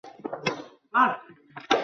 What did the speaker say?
সুচরিতা কোনো উত্তর করিল না।